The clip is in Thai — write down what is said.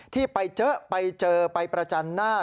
ที่ไปเจอไปเจอไปประจันหน้า